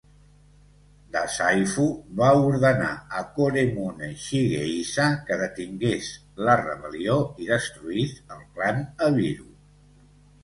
Dazaifu va ordenar a Koremune Shigehisa que detingués la rebel·lió i destruís el clan Abiru.